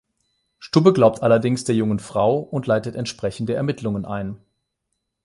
Stubbe glaubt allerdings der jungen Frau und leitet entsprechende Ermittlungen ein.